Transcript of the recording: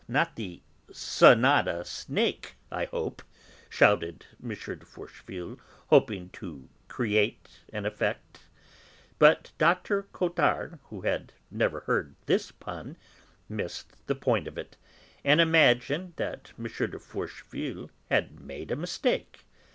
Not the sonata snake, I hope!" shouted M. de Forcheville, hoping to create an effect. But Dr. Cottard, who had never heard this pun, missed the point of it, and imagined that M. de Forcheville had made a mistake.